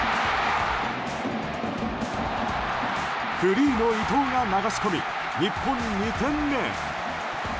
フリーの伊東が流し込み日本、２点目！